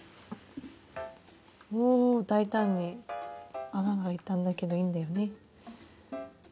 おぉ大胆に穴が開いたんだけどいいんだよね。